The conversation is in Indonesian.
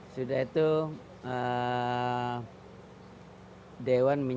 tidak ada apa